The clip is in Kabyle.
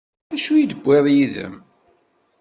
D acu i d-tewwiḍ yid-m?